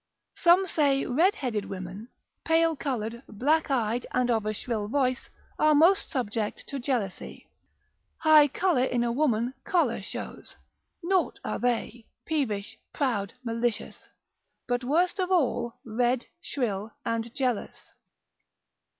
Some say redheaded women, pale coloured, black eyed, and of a shrill voice, are most subject to jealousy. High colour in a woman choler shows, Naught are they, peevish, proud, malicious; But worst of all, red, shrill, and jealous.